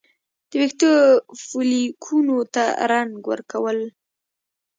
د ویښتو فولیکونو ته رنګ ورکول